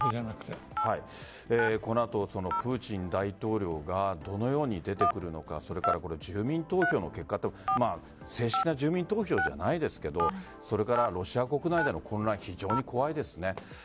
この後もプーチン大統領がどのように出てくるのか住民投票の結果正式な住民投票じゃないですけどそれから、ロシア国内での混乱が非常に怖いですね。